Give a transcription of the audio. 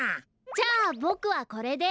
じゃあボクはこれで。